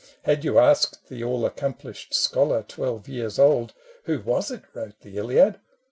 Had you asked The all accomplished scholar, twelve years old, " Who was it wrote the Iliad?